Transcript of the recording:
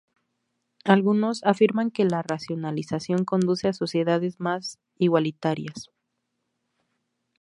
Algunos afirman que la racionalización conduce a sociedades "más igualitarias".